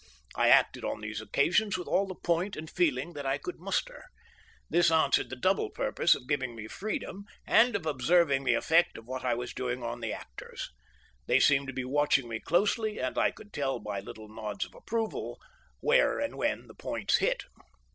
I acted on these occasions with all the point and feeling that I could muster. This answered the double purpose of giving me freedom and of observing the effect of what I was doing on the actors. They seemed to be watching me closely, and I could tell by little nods of approval where and when the points hit.